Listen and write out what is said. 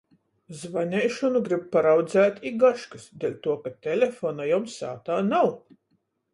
Zvaneišonu grib paraudzeit i gaškys, deļtuo ka telefona jom sātā nav.